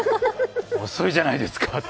遅いじゃないですかって。